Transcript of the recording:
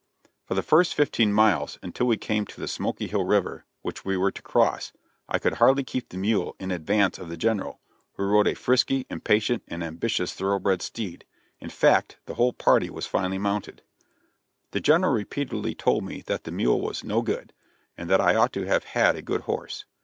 For the first fifteen miles, until we came to the Smoky Hill River, which we were to cross, I could hardly keep the mule in advance of the General, who rode a frisky, impatient and ambitious thoroughbred steed; in fact, the whole party was finely mounted. The General repeatedly told me that the mule was "no good," and that I ought to have had a good horse.